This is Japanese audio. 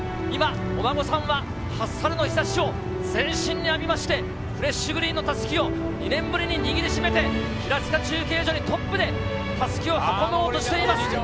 今、お孫さんは、初春の日ざしを全身に浴びまして、フレッシュグリーンのたすきを、２年ぶりに握りしめて、平塚中継所にトップでたすきを運ぼうとしています。